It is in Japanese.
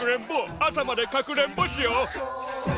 朝までかくれんぼしよう！